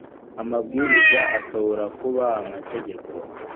amabwiriza ashobora kuba amategeko